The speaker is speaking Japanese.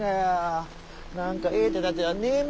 何かええ手だてはねえもんかしゃん。